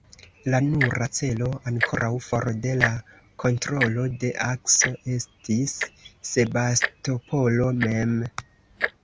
La nura celo ankoraŭ for de la kontrolo de Akso estis Sebastopolo mem.